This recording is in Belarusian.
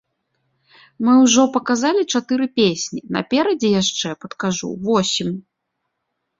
Мы ўжо паказалі чатыры песні, наперадзе яшчэ, падкажу, восем.